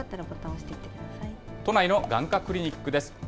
都内の眼科クリニックです。